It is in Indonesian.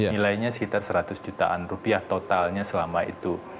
nilainya sekitar seratus jutaan rupiah totalnya selama itu